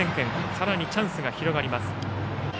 さらにチャンスが続きます。